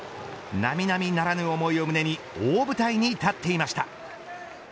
並々ならぬ思いを胸に大舞台に立っていました。